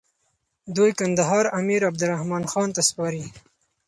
دوی کندهار امير عبدالرحمن خان ته سپاري.